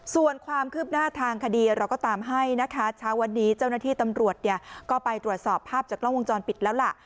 ส่วนความคืบหน้าทางคดีเราก็ตามให้นะคะเช้าวันนี้เจ้าหน้าที่ตำรวจเนี่ยก็ไปตรวจสอบภาพจากกล้องวงจรปิดแล้วล่ะ